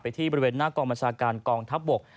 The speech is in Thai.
ที่บริเวณหน้ากองบัญชาการกองทัพบก